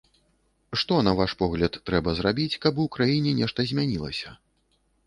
Што, на ваш погляд, трэба зрабіць, каб у краіне нешта змянілася?